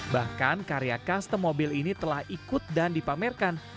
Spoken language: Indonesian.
bahkan karya custom mobil ini telah ikut dan dipamerkan